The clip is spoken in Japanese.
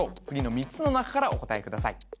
次の３つの中からお答えください